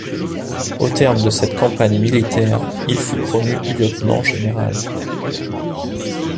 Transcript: Au terme de cette campagne militaire, il fut promu lieutenant-général.